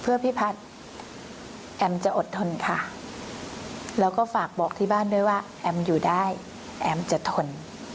เพื่อพี่พัฒน์แอมจะอดทนค่ะแล้วก็ฝากบอกที่บ้านด้วยว่าแอมอยู่ได้แอมจะทน